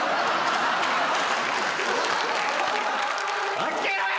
開けろや。